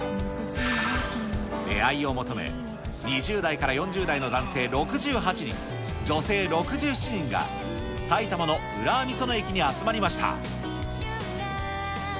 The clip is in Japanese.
出会いを求め２０代から４０代の男性６８人、女性６７人が、埼玉の浦和美園駅に集まりました。